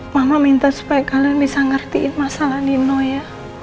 mama minta supaya kalian bisa ngertiin masalah nino ya